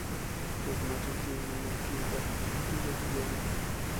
Los machos tienen una quilla leve.